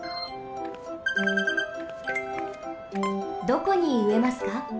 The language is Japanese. どこにうえますか？